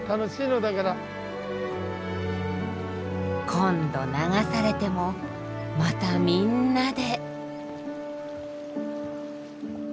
今度流されてもまたみんなで。